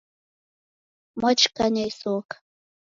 Wachikanya isoka.